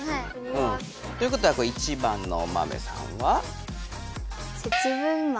ということは１番のお豆さんは？